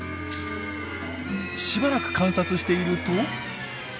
しばらく観察していると。